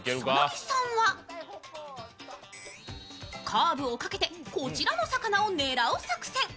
草薙さんは、カーブをかけてこちらの魚を狙う作戦。